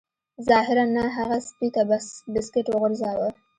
ظاهراً نه هغه سپي ته بسکټ وغورځاوه